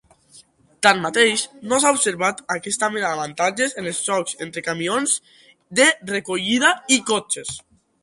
Tanmateix, no s'ha observat aquesta mena d'avantatges en els xocs entre camions de recollida i cotxes.